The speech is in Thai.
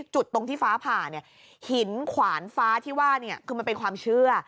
จุดตรงที่ฟ้าผ่าเนี่ยหินขวานฟ้าที่ว่าเนี่ยคือมันเป็นความเชื่อ